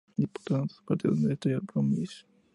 Disputaba sus partidos en el estadio de Bloomfield.